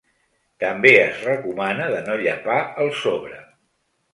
També es recomana de no llepar el sobre.